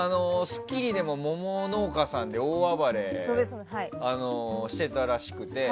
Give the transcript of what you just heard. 「スッキリ」でも桃農家さんで大暴れしてたらしくて。